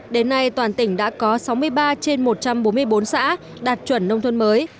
đến nay toàn tỉnh đã có sáu mươi ba trên một trăm bốn mươi bốn xã đạt chuẩn nông thôn mới